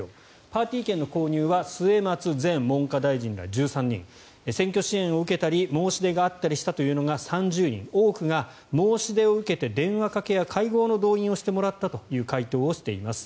パーティー券の購入は末松前文科大臣ら１３人選挙支援を受けたり申し出があったりしたというのが３０人多くが申し出を受けて電話かけや会合の動員をしてもらったと回答をしてます。